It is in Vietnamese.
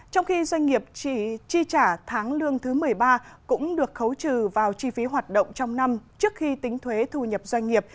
trong khi doanh nghiệp chỉ chi trả tháng lương thứ một mươi ba cũng được khấu trừ vào chi phí hoạt động trong năm trước khi tính thuế thu nhập doanh nghiệp